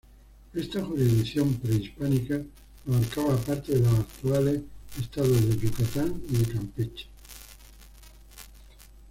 Esta jurisdicción prehispánica abarcaba parte de los actuales estados de Yucatán y de Campeche.